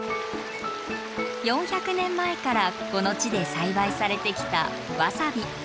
４００年前からこの地で栽培されてきたわさび。